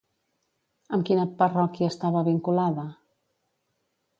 Amb quina parròquia estava vinculada?